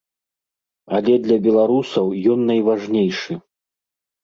Але для беларусаў ён найважнейшы.